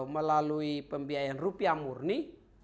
melalui pembiayaan rupiah murni